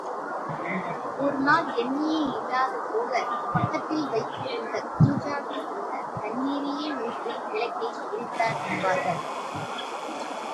ஒரு நாள் எண்ணெய் இல்லாது போக, பக்கத்தில் வைத்திருந்த கூஜாவில் உள்ள தண்ணீரையே ஊற்றி விளக்கை எரித்தார் என்பார்கள்.